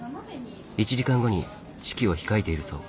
１時間後に式を控えているそう。